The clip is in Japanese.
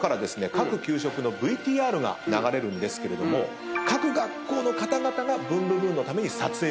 各給食のＶＴＲが流れるんですけれども各学校の方々が『ブンブブーン！』のため撮影をしてくれた。